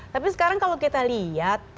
tapi sekarang kalau kita lihat